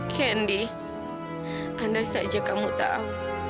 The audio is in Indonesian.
kendi anda saja kamu tahu